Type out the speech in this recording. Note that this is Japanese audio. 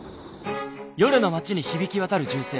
「夜の街に響き渡る銃声。